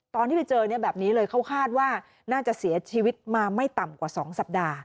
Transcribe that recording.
ตอนที่ไปเจอแบบนี้เลยเขาคาดว่าน่าจะเสียชีวิตมาไม่ต่ำกว่า๒สัปดาห์